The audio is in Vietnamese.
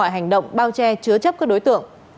hành động bao che chứa chấp các đối tượng